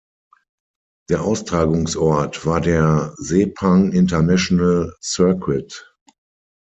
Der Austragungsort war der Sepang International Circuit.